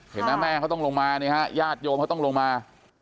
เห็นไหมแม่เขาต้องลงมาเนี่ยฮะญาติโยมเขาต้องลงมา